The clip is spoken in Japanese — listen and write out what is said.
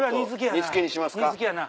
煮付けにしますか。